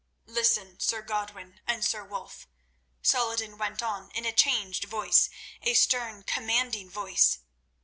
Listen, Sir Godwin and Sir Wulf," Saladin went on in a changed voice, a stern, commanding voice.